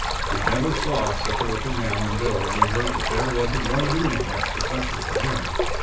You never saw a sicker looking man than Bill when he heard that there wasn't going to be any extra session for him.